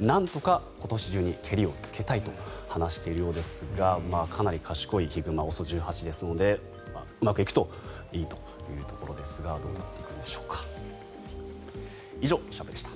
なんとか今年中にけりをつけたいと話しているようですがかなり賢いヒグマＯＳＯ１８ですのでうまくいくといいというところですがお天気、片岡さんです。